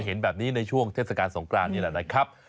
เห็นแบบนี้ในช่วงทศกรรณสงกราศนี้นะครับ